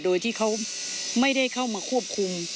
โดยที่เขาไม่ได้เข้ามาควบคุม